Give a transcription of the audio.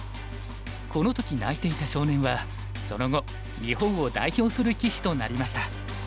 この時泣いていた少年はその後日本を代表する棋士となりました。